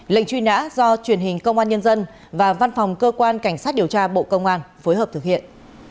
lệnh truy nã do truyền hình công an nhân dân và văn phòng cơ quan cảnh sát điều tra bộ công an phối hợp thực hiện